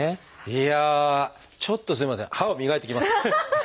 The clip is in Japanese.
いやあちょっとすいません歯を磨いてきます。ハハハハ！